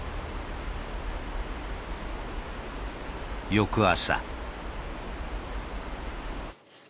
翌朝。